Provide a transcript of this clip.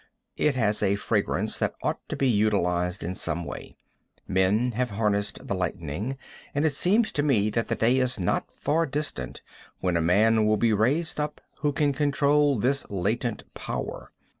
It has a fragrance that ought to be utilized in some way. Men have harnessed the lightning, and it seems to me that the day is not far distant when a man will be raised up who can control this latent power.